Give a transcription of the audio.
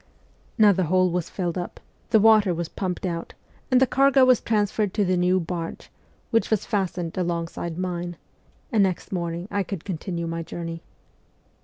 Now the hole was filled up, the water was pumped out, and the cargo was transferred to the new barge, which was fastened alongside mine ; and next morning I could continue my journey.